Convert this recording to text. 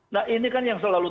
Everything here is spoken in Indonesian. nah ini kan yang selalu